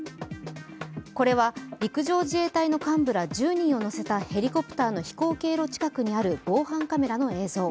これは、陸上自衛隊の幹部ら１０人を乗せたヘリコプターの飛行経路近くにある防犯カメラの映像。